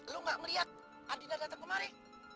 lo gak ngeliat adinda datang kemari